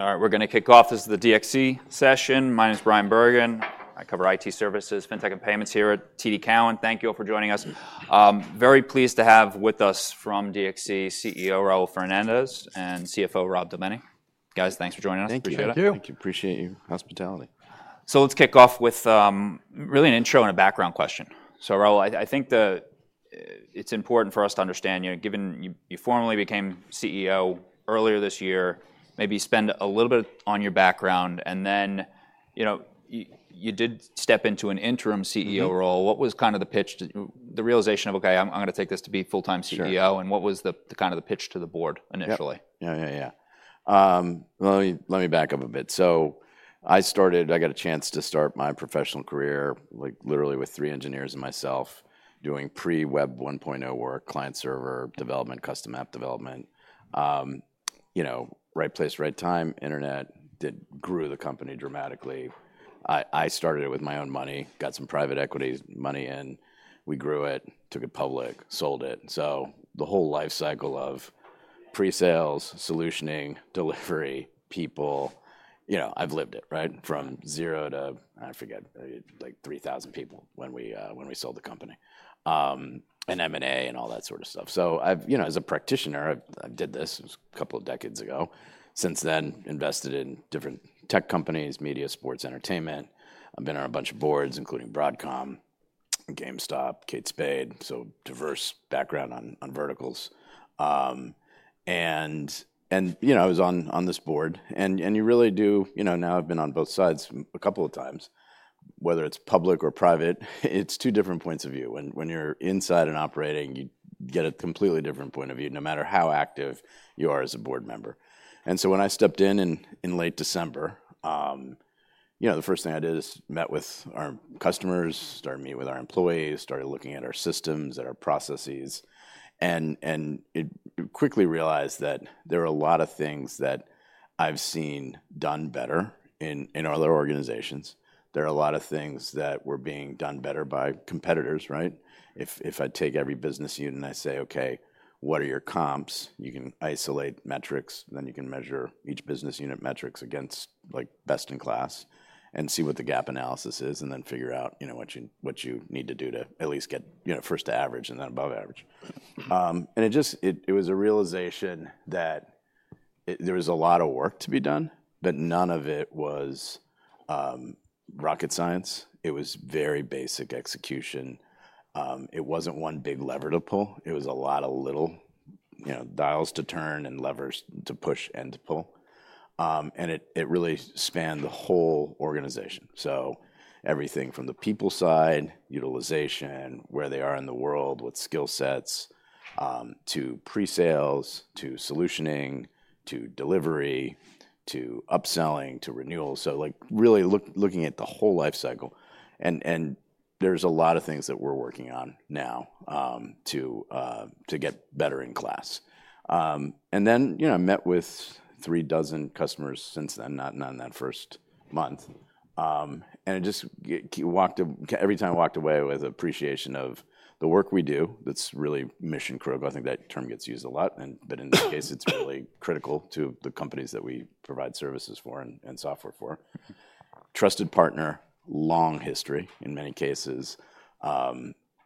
All right, we're gonna kick off. This is the DXC session. My name's Bryan Bergin. I cover IT services, fintech, and payments here at TD Cowen. Thank you all for joining us. Very pleased to have with us from DXC, CEO Raul Fernandez, and CFO Rob Del Bene. Guys, thanks for joining us. Thank you. Thank you. Appreciate your hospitality. So let's kick off with really an intro and a background question. So Raul, I think it's important for us to understand, you know, given you formally became CEO earlier this year, maybe spend a little bit on your background, and then, you know, you did step into an interim CEO role. Mm-hmm. What was kind of the pitch to... The realization of, "Okay, I'm gonna take this to be full-time CEO- Sure. -and what was the kind of the pitch to the board initially? Yep. Yeah, yeah, yeah. Let me back up a bit. So I started... I got a chance to start my professional career, like, literally with three engineers and myself doing pre-Web 1.0 work, client-server development, custom app development. You know, right place, right time, internet, grew the company dramatically. I started it with my own money, got some private equity money in. We grew it, took it public, sold it. So the whole life cycle of pre-sales, solutioning, delivery, people, you know, I've lived it, right? From zero to, I forget, like 3,000 people, when we sold the company. And M&A, and all that sort of stuff. So I've, you know, as a practitioner, I did this. It was a couple of decades ago. Since then, invested in different tech companies, media, sports, entertainment. I've been on a bunch of boards, including Broadcom, GameStop, Kate Spade, so diverse background on verticals. And, you know, I was on this board, and you really do... You know, now I've been on both sides a couple of times. Whether it's public or private, it's two different points of view. When you're inside and operating, you get a completely different point of view, no matter how active you are as a board member. And so when I stepped in in late December, you know, the first thing I did is met with our customers, started meeting with our employees, started looking at our systems and our processes, and quickly realized that there are a lot of things that I've seen done better in other organizations. There are a lot of things that were being done better by competitors, right? If I take every business unit, and I say, "Okay, what are your comps?" You can isolate metrics, and then you can measure each business unit metrics against, like, best-in-class and see what the gap analysis is, and then figure out, you know, what you need to do to at least get, you know, first to average and then above average. And it just. It was a realization that there was a lot of work to be done, but none of it was rocket science. It was very basic execution. It wasn't one big lever to pull. It was a lot of little, you know, dials to turn and levers to push and to pull. And it really spanned the whole organization, so everything from the people side, utilization, where they are in the world, what skill sets, to pre-sales, to solutioning, to delivery, to upselling, to renewals, so, like, really looking at the whole life cycle, and there's a lot of things that we're working on now to get better in class. And then, you know, I met with three dozen customers since then, not in that first month. And just walked away every time with appreciation of the work we do, that's really mission-critical. I think that term gets used a lot, and but in this case, it's really critical to the companies that we provide services for and software for. Trusted partner, long history, in many cases.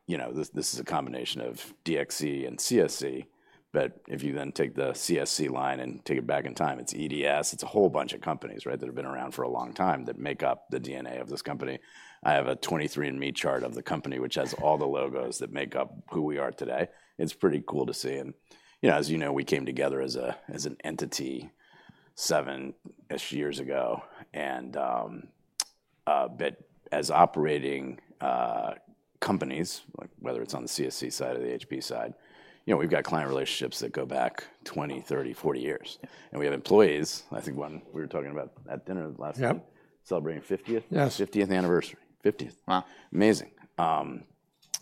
You know, this, this is a combination of DXC and CSC, but if you then take the CSC line and take it back in time, it's EDS. It's a whole bunch of companies, right, that have been around for a long time that make up the DNA of this company. I have a 23andMe chart of the company, which has all the logos that make up who we are today. It's pretty cool to see. And, you know, as you know, we came together as a, as an entity 7-ish years ago, and, but as operating companies, like, whether it's on the CSC side or the HP side, you know, we've got client relationships that go back 20, 30, 40 years. And we have employees, I think, one, we were talking about at dinner last night- Yep... celebrating fiftieth? Yes. Fiftieth anniversary. Fiftieth. Wow! Amazing.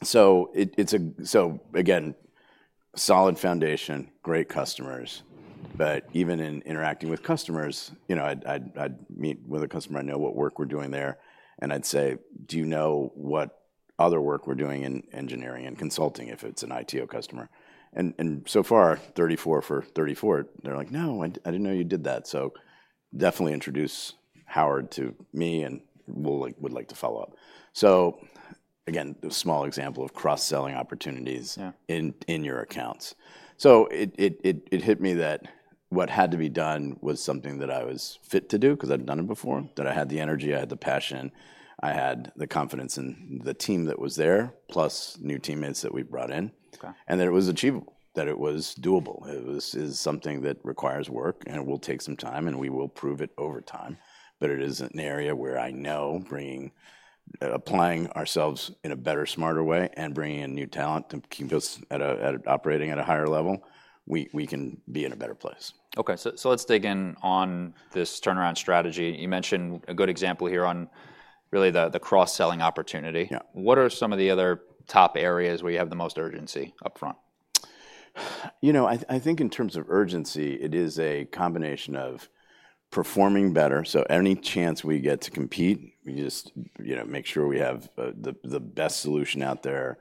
So again, solid foundation, great customers. But even in interacting with customers, you know, I'd meet with a customer, I know what work we're doing there, and I'd say: Do you know what other work we're doing in engineering and consulting, if it's an ITO customer? And so far, 34 for 34, they're like: "No, I didn't know you did that," so definitely introduce Howard to me, and we would like to follow up. So again, a small example of cross-selling opportunities- Yeah... in your accounts. So it hit me that what had to be done was something that I was fit to do because I'd done it before, that I had the energy, I had the passion, I had the confidence in the team that was there, plus new teammates that we brought in. Okay. That it was achievable, that it was doable. It was, is something that requires work, and it will take some time, and we will prove it over time. But it is an area where I know bringing, applying ourselves in a better, smarter way and bringing in new talent and keeping us operating at a higher level, we can be in a better place. Okay, so let's dig in on this turnaround strategy. You mentioned a good example here on really the cross-selling opportunity. Yeah. What are some of the other top areas where you have the most urgency up front? You know, I think in terms of urgency, it is a combination of performing better, so any chance we get to compete, we just, you know, make sure we have the best solution out there,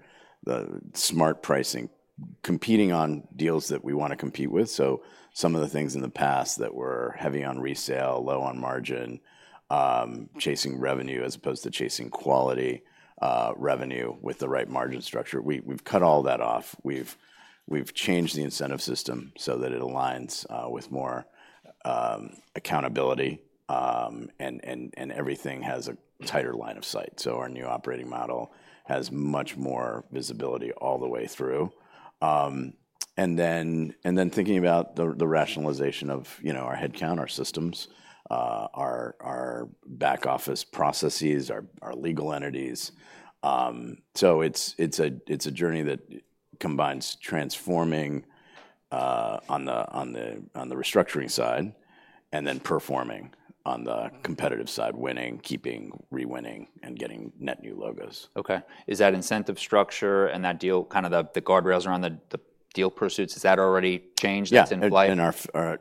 competing on deals that we want to compete with. So some of the things in the past that were heavy on resale, low on margin, chasing revenue as opposed to chasing quality revenue with the right margin structure, we've cut all that off. We've changed the incentive system so that it aligns with more accountability. And everything has a tighter line of sight. So our new operating model has much more visibility all the way through. And then thinking about the rationalization of, you know, our headcount, our systems, our back office processes, our legal entities. So it's a journey that combines transforming on the restructuring side, and then performing on the competitive side, winning, keeping, re-winning, and getting net new logos. Okay. Is that incentive structure and that deal, kind of the guardrails around the deal pursuits, has that already changed? Yeah It's in flight? In our,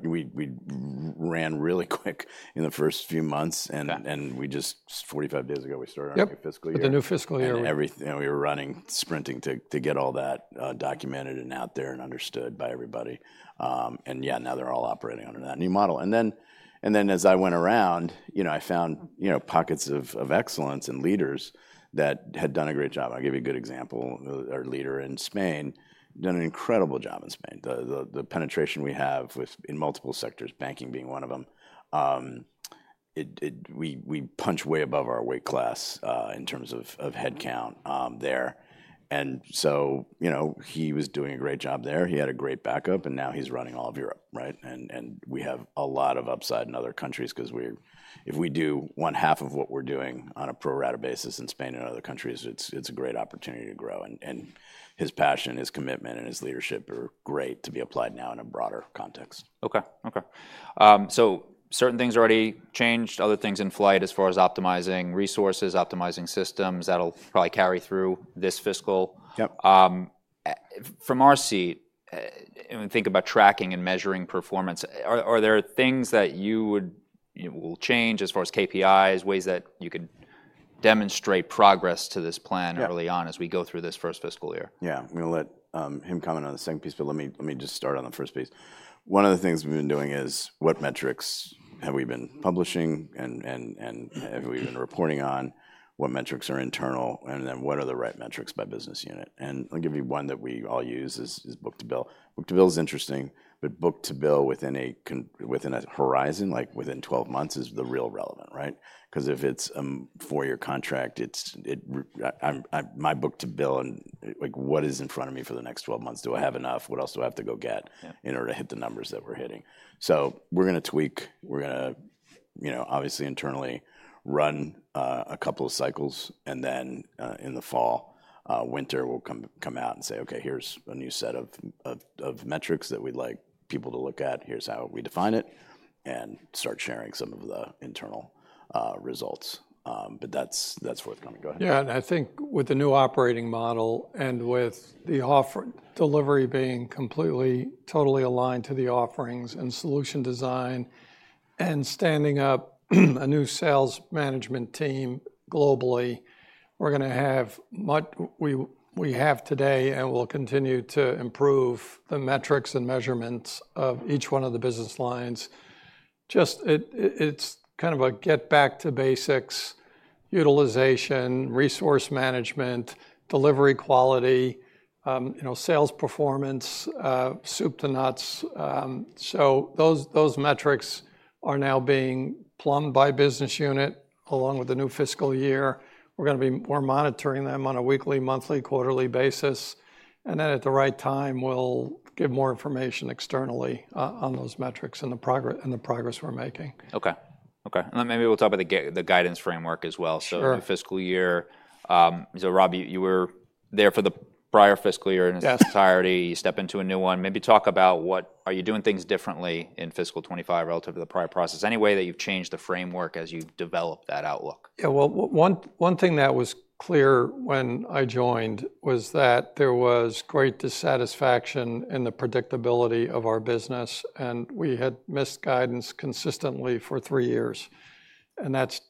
we ran really quick in the first few months, and Yeah... and we just, 45 days ago, we started- Yep our new fiscal year. With the new fiscal year. And you know, we were running, sprinting to get all that documented and out there and understood by everybody. Yeah, now they're all operating under that new model. Then as I went around, you know, I found you know, pockets of excellence and leaders that had done a great job. I'll give you a good example. Our leader in Spain has done an incredible job in Spain. The penetration we have within multiple sectors, banking being one of them, it we punch way above our weight class in terms of headcount. Mm... there. And so, you know, he was doing a great job there. He had a great backup, and now he's running all of Europe, right? And we have a lot of upside in other countries 'cause we... If we do one half of what we're doing on a pro rata basis in Spain and other countries, it's a great opportunity to grow. And his passion, his commitment, and his leadership are great to be applied now in a broader context. Okay, okay. So certain things already changed, other things in flight as far as optimizing resources, optimizing systems, that'll probably carry through this fiscal. Yep. From our seat, and we think about tracking and measuring performance, are there things that you would, you know, will change as far as KPIs, ways that you could demonstrate progress to this plan- Yeah... early on as we go through this first fiscal year? Yeah. I'm gonna let him comment on the second piece, but let me, let me just start on the first piece. One of the things we've been doing is, what metrics have we been publishing, and have we been reporting on? What metrics are internal, and then what are the right metrics by business unit? And I'll give you one that we all use is, is Book to Bill. Book to Bill is interesting, but Book to Bill within a context within a horizon, like within 12 months, is the real relevant, right? 'Cause if it's, four-year contract, it's, it My Book to Bill, and, like, what is in front of me for the next 12 months? Do I have enough? What else do I have to go get- Yeah... in order to hit the numbers that we're hitting? So we're gonna tweak, you know, obviously, internally run a couple of cycles, and then in the fall, winter, we'll come out and say, "Okay, here's a new set of metrics that we'd like people to look at. Here's how we define it," and start sharing some of the internal results. But that's forthcoming. Go ahead. Yeah, and I think with the new operating model and with the offer-delivery being completely, totally aligned to the offerings and solution design, and standing up a new sales management team globally, we're gonna have much. We have today, and we'll continue to improve the metrics and measurements of each one of the business lines. Just it's kind of a get back to basics, utilization, resource management, delivery quality, you know, sales performance, soup to nuts. So those metrics are now being plumbed by business unit. Along with the new fiscal year, we're monitoring them on a weekly, monthly, quarterly basis, and then at the right time, we'll give more information externally on those metrics and the progress we're making. Okay, okay. Then maybe we'll talk about the guidance framework as well. Sure. The fiscal year, Rob, you were there for the prior fiscal year- Yeah ...in its entirety. You step into a new one. Maybe talk about what... Are you doing things differently in fiscal 2025 relative to the prior process? Any way that you've changed the framework as you've developed that outlook? Yeah, well, one thing that was clear when I joined was that there was great dissatisfaction in the predictability of our business, and we had missed guidance consistently for three years, and that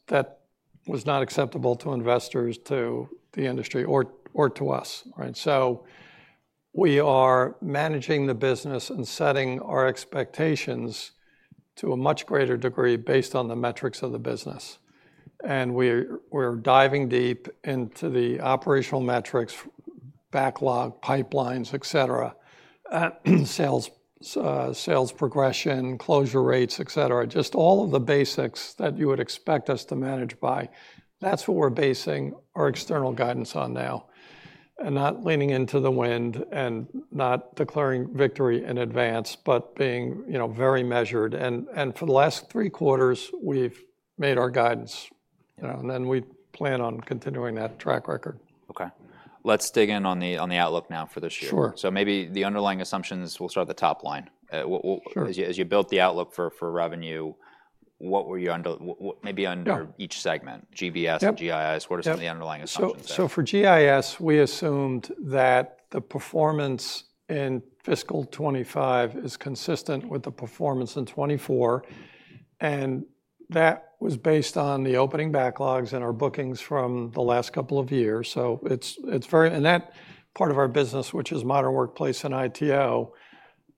was not acceptable to investors, to the industry, or to us, right? So we are managing the business and setting our expectations to a much greater degree based on the metrics of the business, and we're diving deep into the operational metrics, backlog, pipelines, et cetera, sales, sales progression, closure rates, et cetera. Just all of the basics that you would expect us to manage by, that's what we're basing our external guidance on now. And not leaning into the wind, and not declaring victory in advance, but being, you know, very measured. For the last three quarters, we've made our guidance, and then we plan on continuing that track record. Okay. Let's dig in on the outlook now for this year. Sure. So maybe the underlying assumptions, we'll start at the top line. Sure... as you built the outlook for revenue, what were you under, what maybe under- Yeah... each segment? GBS- Yep... GIS- Yep... what are some of the underlying assumptions there? For GIS, we assumed that the performance in fiscal 2025 is consistent with the performance in 2024, and that was based on the opening backlogs and our bookings from the last couple of years. So it's very. And that part of our business, which is Modern Workplace and ITO,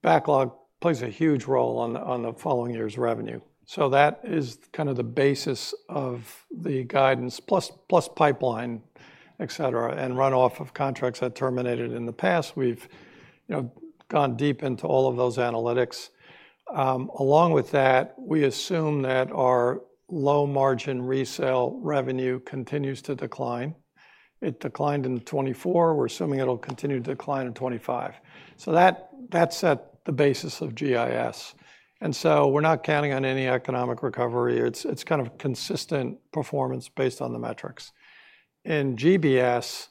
backlog plays a huge role on the following year's revenue. So that is kind of the basis of the guidance, plus pipeline, et cetera, and runoff of contracts that terminated in the past. We've, you know, gone deep into all of those analytics. Along with that, we assume that our low-margin resale revenue continues to decline. It declined in 2024. We're assuming it'll continue to decline in 2025. So that, that's at the basis of GIS, and so we're not counting on any economic recovery. It's, it's kind of consistent performance based on the metrics. In GBS,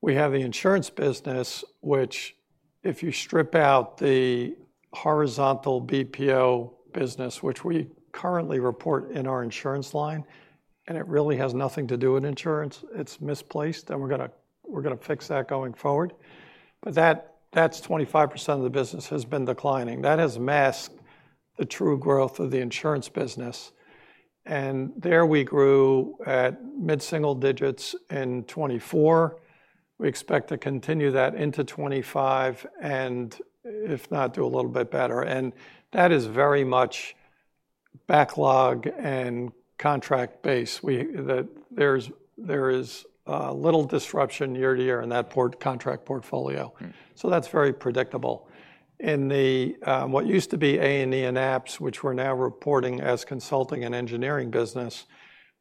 we have the insurance business, which if you strip out the horizontal BPO business, which we currently report in our insurance line, and it really has nothing to do with insurance, it's misplaced, and we're gonna, we're gonna fix that going forward. But that, that's 25% of the business has been declining. That has masked the true growth of the insurance business, and there we grew at mid-single digits in '24. We expect to continue that into '25, and if not, do a little bit better, and that is very much backlog and contract base. We, that there's little disruption year to year in that contract portfolio. Mm-hmm. So that's very predictable. In the what used to be A&E and apps, which we're now reporting as consulting and engineering business,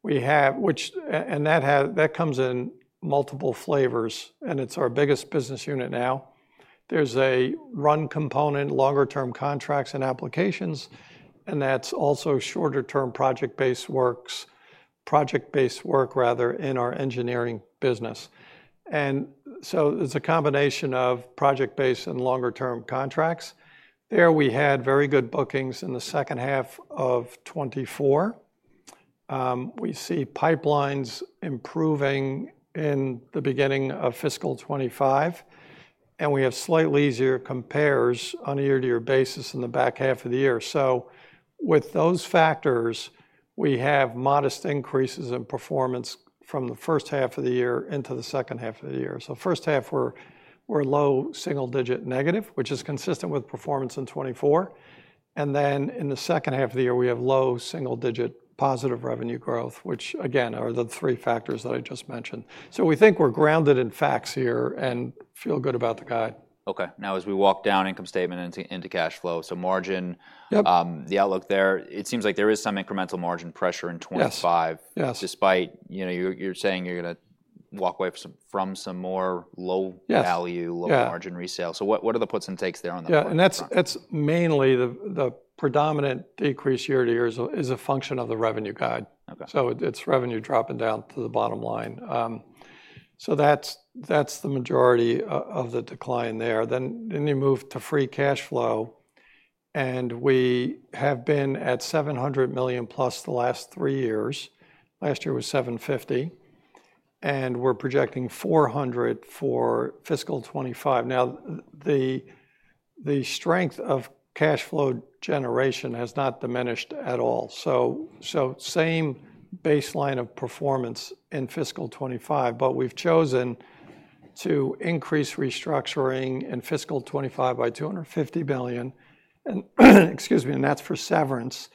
we have that comes in multiple flavors, and it's our biggest business unit now. There's a run component, longer-term contracts and applications, and that's also shorter-term project-based works, project-based work, rather, in our engineering business. And so it's a combination of project-based and longer-term contracts. There, we had very good bookings in the second half of 2024. We see pipelines improving in the beginning of fiscal 2025, and we have slightly easier compares on a year-to-year basis in the back half of the year. So with those factors, we have modest increases in performance from the first half of the year into the second half of the year. First half, we're low single digit negative, which is consistent with performance in 2024, and then in the second half of the year, we have low single digit positive revenue growth, which again, are the three factors that I just mentioned. We think we're grounded in facts here and feel good about the guide. Okay. Now, as we walk down income statement into cash flow, so margin- Yep. The outlook there, it seems like there is some incremental margin pressure in 2025. Yes, yes. - despite, you know, you're saying you're gonna walk away from some more low- Yes... value, low- Yeah Margin resale. So what, what are the puts and takes there on the front? Yeah, and that's mainly the predominant decrease year to year is a function of the revenue guide. Okay. So it's revenue dropping down to the bottom line. So that's, that's the majority of the decline there. Then you move to free cash flow, and we have been at $700 million-plus the last three years. Last year was $750, and we're projecting $400 for fiscal 2025. Now, the strength of cash flow generation has not diminished at all. So same baseline of performance in fiscal 2025, but we've chosen to increase restructuring in fiscal 2025 by $250 billion, and, excuse me, and that's for severance,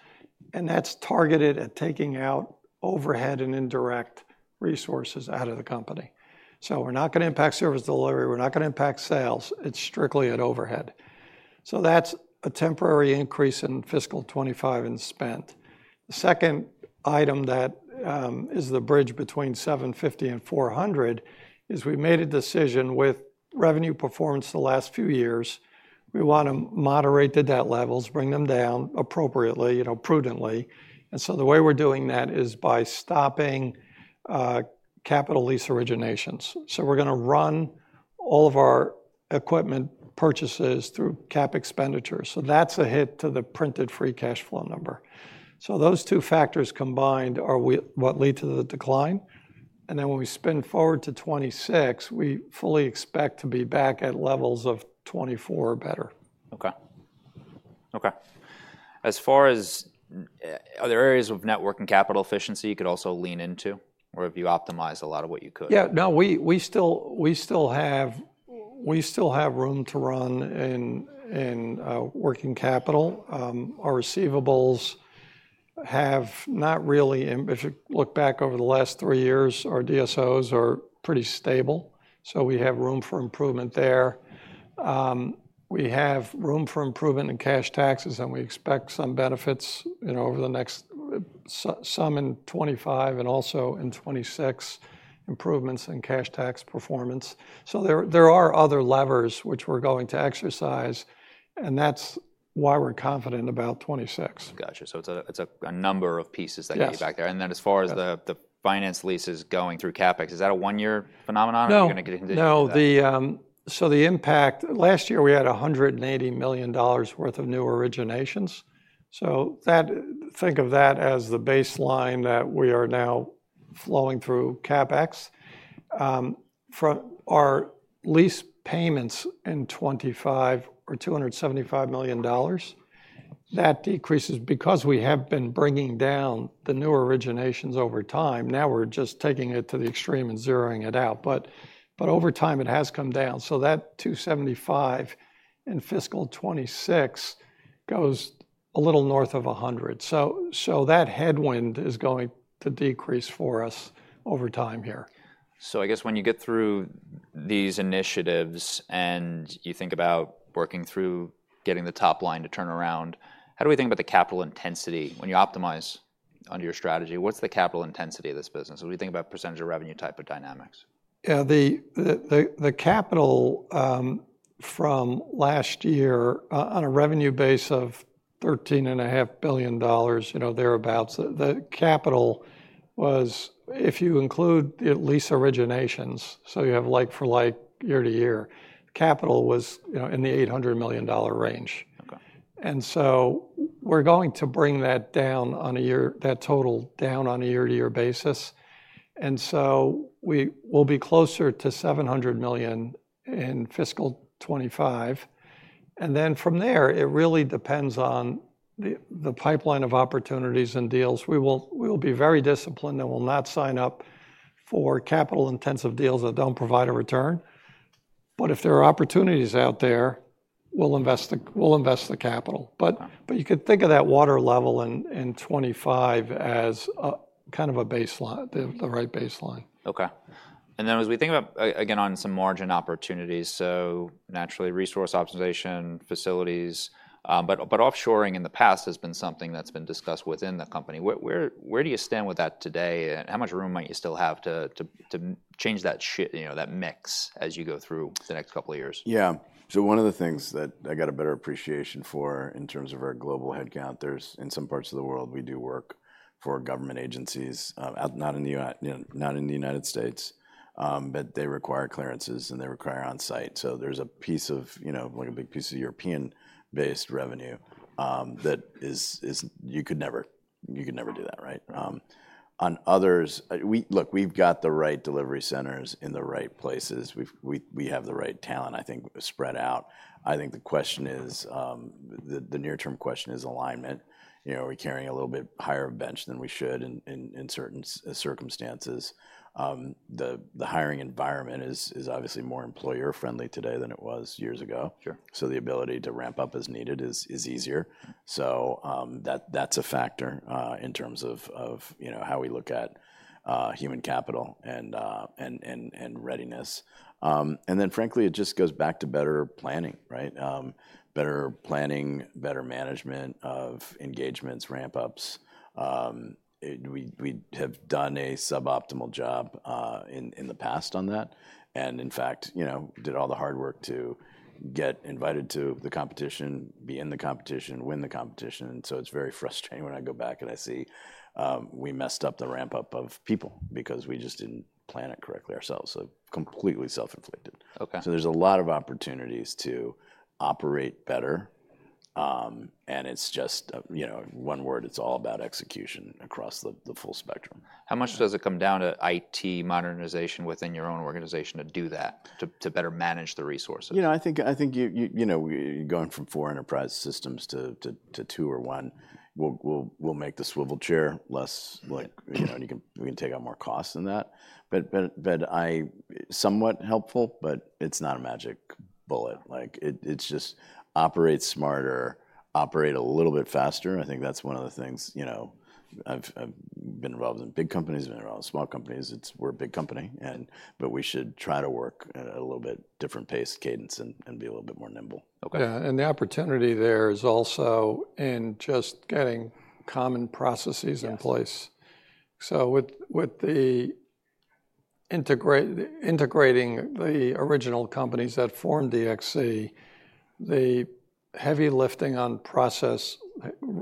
and that's targeted at taking out overhead and indirect resources out of the company. So we're not gonna impact service delivery. We're not gonna impact sales. It's strictly at overhead. So that's a temporary increase in fiscal 2025 in spent. The second item that is the bridge between $750 and $400 is we made a decision with revenue performance the last few years. We want to moderate the debt levels, bring them down appropriately, you know, prudently, and so the way we're doing that is by stopping capital lease originations. So we're gonna run all of our equipment purchases through CapEx, so that's a hit to the printed free cash flow number. So those two factors combined are what lead to the decline, and then when we spin forward to 2026, we fully expect to be back at levels of 2024 or better. Okay. Okay. As far as, are there areas of network and capital efficiency you could also lean into, or have you optimized a lot of what you could? Yeah, no, we still have room to run in working capital. Our receivables have not really... If you look back over the last three years, our DSOs are pretty stable, so we have room for improvement there. We have room for improvement in cash taxes, and we expect some benefits, you know, over the next, some in 2025 and also in 2026, improvements in cash tax performance. So there are other levers which we're going to exercise, and that's why we're confident about 2026. Got you. So it's a number of pieces that- Yes get you back there. And then as far as the- Yes... the finance leases going through CapEx, is that a one-year phenomenon? No or are you gonna continue? No, so the impact, last year, we had $180 million worth of new originations. So that, think of that as the baseline that we are now flowing through CapEx. From our lease payments in 2025 are $275 million. That decreases because we have been bringing down the new originations over time. Now we're just taking it to the extreme and zeroing it out, but over time it has come down. So that $275 million in fiscal 2026 goes a little north of $100 million. So that headwind is going to decrease for us over time here. So I guess when you get through these initiatives, and you think about working through getting the top line to turn around, how do we think about the capital intensity? When you optimize under your strategy, what's the capital intensity of this business when we think about percentage of revenue type of dynamics? Yeah, the capital from last year, on a revenue base of $13.5 billion, you know, thereabouts, the capital was, if you include the lease originations, so you have like for like year to year, capital was, you know, in the $800 million range. Okay. And so we're going to bring that total down on a year-to-year basis, and so we will be closer to $700 million in fiscal 2025. And then from there, it really depends on the pipeline of opportunities and deals. We will, we will be very disciplined, and we'll not sign up for capital-intensive deals that don't provide a return. But if there are opportunities out there, we'll invest the capital. Okay. But you could think of that water level in 2025 as a kind of a baseline, the right baseline. Okay. And then as we think about, again, on some margin opportunities, so naturally resource optimization, facilities, but offshoring in the past has been something that's been discussed within the company. Where do you stand with that today, and how much room might you still have to change that shift, you know, that mix as you go through the next couple of years? Yeah. So one of the things that I got a better appreciation for in terms of our global headcount, there's... In some parts of the world, we do work for government agencies, outside not in the U.S., you know, not in the United States. But they require clearances, and they require on-site. So there's a piece of, you know, like a big piece of European-based revenue that is, you could never, you could never do that, right? On others, we look, we've got the right delivery centers in the right places. We have the right talent, I think, spread out. I think the question is, the near-term question is alignment. You know, are we carrying a little bit higher bench than we should in certain circumstances? The hiring environment is obviously more employer-friendly today than it was years ago. Sure. So the ability to ramp up as needed is easier. So, that's a factor in terms of, you know, how we look at human capital and readiness. And then frankly, it just goes back to better planning, right? Better planning, better management of engagements, ramp-ups. We have done a suboptimal job in the past on that, and in fact, you know, did all the hard work to get invited to the competition, be in the competition, win the competition, and so it's very frustrating when I go back, and I see we messed up the ramp-up of people because we just didn't plan it correctly ourselves, so completely self-inflicted. Okay. There's a lot of opportunities to operate better. It's just, you know, one word, it's all about execution across the full spectrum. How much does it come down to IT modernization within your own organization to do that, to better manage the resources? You know, I think you... You know, going from four enterprise systems to two or one will make the swivel chair less, like... you know, and we can take out more costs than that. But... Somewhat helpful, but it's not a magic bullet. Like, it's just operate smarter, operate a little bit faster, and I think that's one of the things, you know, I've been involved in big companies, been involved in small companies. It's- we're a big company, but we should try to work at a little bit different pace, cadence, and be a little bit more nimble. Okay. Yeah, and the opportunity there is also in just getting common processes- Yes... in place. So with the integrating the original companies that formed DXC, the heavy lifting on process,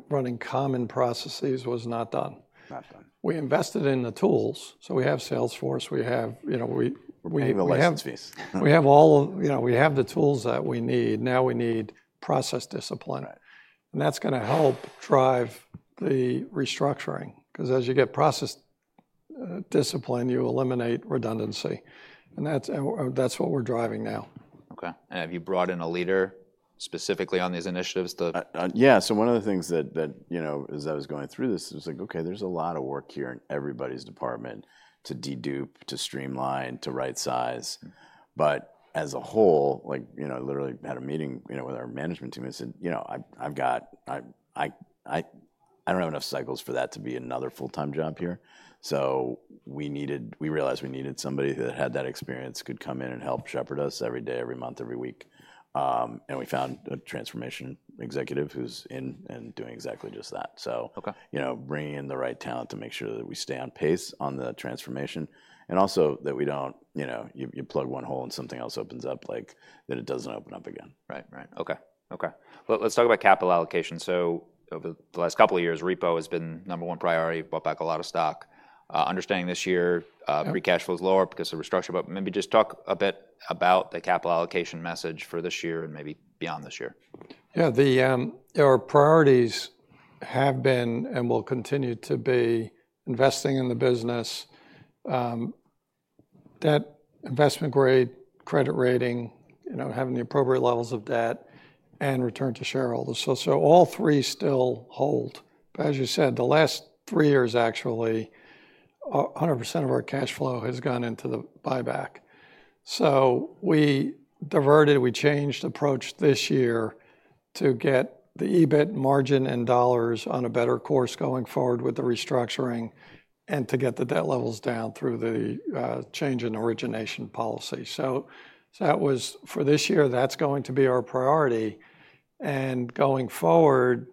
running common processes was not done. Not done. We invested in the tools, so we have Salesforce, you know, we have- Pay the license fees. We have all of... You know, we have the tools that we need. Now we need process discipline, and that's gonna help drive the restructuring because as you get process discipline, you eliminate redundancy, and that's what we're driving now. Okay. And have you brought in a leader specifically on these initiatives to- Yeah, so one of the things that, you know, as I was going through this, it was like, okay, there's a lot of work here in everybody's department to de-dupe, to streamline, to rightsize. But as a whole, like, you know, I literally had a meeting, you know, with our management team and said: "You know, I've got... I don't have enough cycles for that to be another full-time job here." So we needed. We realized we needed somebody who had that experience, could come in and help shepherd us every day, every month, every week. And we found a transformation executive who's in and doing exactly just that. So. Okay... you know, bringing in the right talent to make sure that we stay on pace on the transformation, and also that we don't, you know, you plug one hole, and something else opens up, like, that it doesn't open up again. Right. Right. Okay. Okay. Well, let's talk about capital allocation. So over the last couple of years, repo has been number one priority, bought back a lot of stock. Understanding this year... Yeah... free cash flow is lower because of restructuring, but maybe just talk a bit about the capital allocation message for this year and maybe beyond this year. Yeah, our priorities have been and will continue to be investing in the business, re-... debt, investment grade, credit rating, you know, having the appropriate levels of debt and return to shareholders. So, so all three still hold. But as you said, the last three years, actually, 100% of our cash flow has gone into the buyback. So we diverted, we changed approach this year to get the EBIT margin and dollars on a better course going forward with the restructuring and to get the debt levels down through the change in origination policy. So, so that was... For this year, that's going to be our priority, and going forward,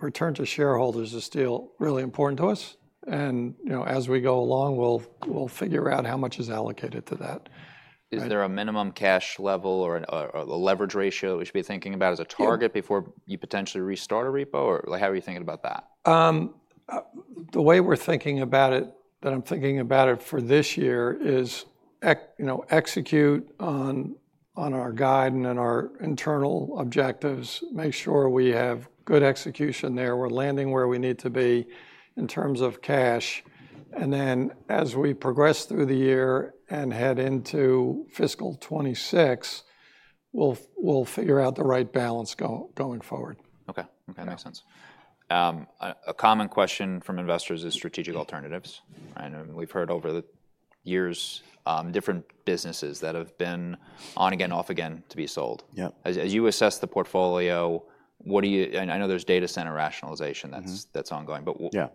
return to shareholders is still really important to us, and, you know, as we go along, we'll, we'll figure out how much is allocated to that. Is there a minimum cash level or a leverage ratio that we should be thinking about as a target- Yeah... before you potentially restart a repo? Or, like, how are you thinking about that? The way we're thinking about it, that I'm thinking about it for this year is, you know, execute on our guide and then our internal objectives, make sure we have good execution there. We're landing where we need to be in terms of cash, and then as we progress through the year and head into fiscal 2026, we'll figure out the right balance going forward. Okay. Okay. Makes sense. A common question from investors is strategic alternatives, right? And we've heard over the years, different businesses that have been on again, off again to be sold. Yep. As you assess the portfolio, what do you... And I know there's data center rationalization- Mm-hmm... that's ongoing, but Yeah...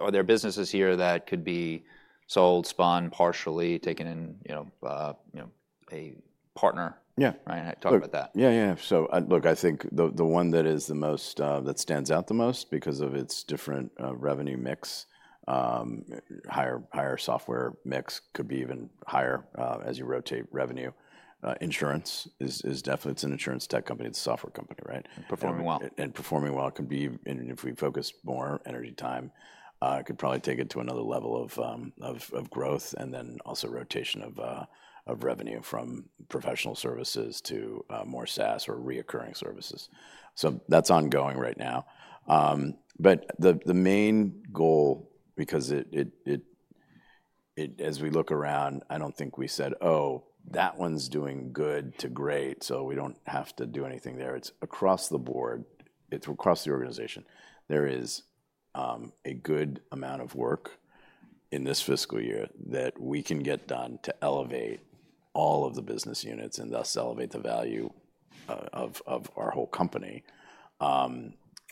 are there businesses here that could be sold, spun, partially taken in, you know, you know, a partner? Yeah. Right. Talk about that. Yeah, yeah. So, look, I think the one that is the most that stands out the most because of its different revenue mix, higher, higher software mix, could be even higher as you rotate revenue, insurance is, is definitely... It's an insurance tech company. It's a software company, right? Performing well. Performing well. Could be, and if we focus more energy, time, could probably take it to another level of growth, and then also rotation of revenue from professional services to more SaaS or recurring services. So that's ongoing right now. But the main goal, because, as we look around, I don't think we said, "Oh, that one's doing good to great, so we don't have to do anything there." It's across the board, it's across the organization. There is a good amount of work in this fiscal year that we can get done to elevate all of the business units, and thus elevate the value of our whole company.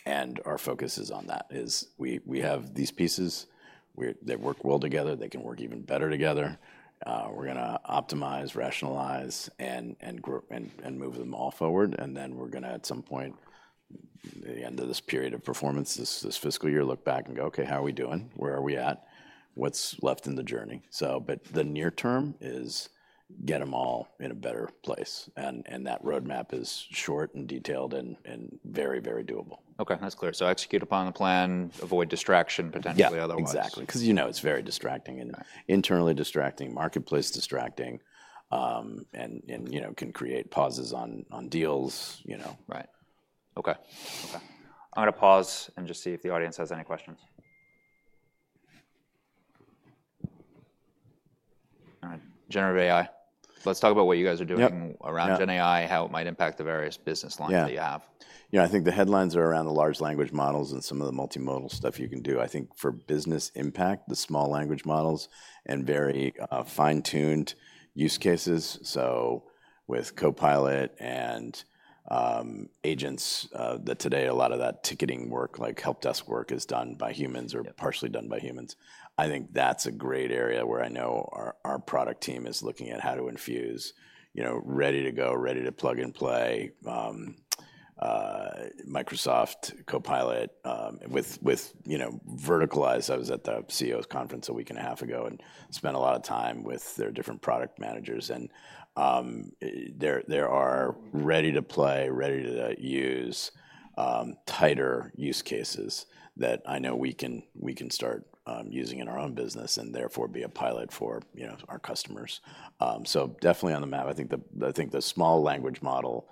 And our focus is on that, we have these pieces where they work well together. They can work even better together. We're gonna optimize, rationalize, and group... and move them all forward, and then we're gonna, at some point, the end of this period of performance, this fiscal year, look back and go, "Okay, how are we doing? Where are we at? What's left in the journey?" But the near term is get them all in a better place, and that roadmap is short and detailed and very, very doable. Okay, that's clear. So execute upon the plan, avoid distraction potentially otherwise. Yeah, exactly. 'Cause, you know, it's very distracting and- Right... internally distracting, marketplace distracting, you know, can create pauses on deals, you know? Right. Okay. Okay. I'm gonna pause and just see if the audience has any questions. All right, Generative AI. Let's talk about what you guys are doing- Yep... around Gen AI, how it might impact the various business lines- Yeah... that you have. Yeah, I think the headlines are around the large language models and some of the multimodal stuff you can do. I think for business impact, the small language models and very, fine-tuned use cases, so with Copilot and, agents, that today a lot of that ticketing work, like helpdesk work, is done by humans- Yeah... or partially done by humans. I think that's a great area where I know our product team is looking at how to infuse, you know, ready to go, ready to plug and play, Microsoft Copilot, with, you know, verticalized. I was at the CEO's conference a week and a half ago and spent a lot of time with their different product managers, and there are ready to play, ready to use, tighter use cases that I know we can start using in our own business, and therefore, be a pilot for, you know, our customers. So definitely on the map, I think the small language model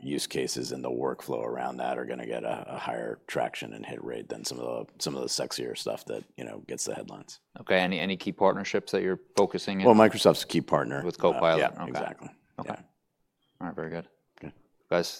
use cases and the workflow around that are gonna get a higher traction and hit rate than some of the sexier stuff that, you know, gets the headlines. Okay, any key partnerships that you're focusing in? Well, Microsoft's a key partner. With Copilot? Yeah. Okay. Exactly. Okay. Yeah. All right, very good. Okay. Guys?